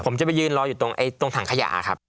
ผมจะไปยืนรออยู่ตรงถังขยะครับ